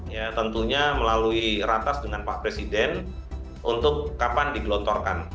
ya tentunya melalui ratas dengan pak presiden untuk kapan digelontorkan